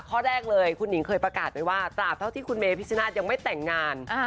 ข้อแรกเลยคุณหนิงเคยประกาศไว้ว่าตราบเท่าที่คุณเมพิชนาธิ์ยังไม่แต่งงาน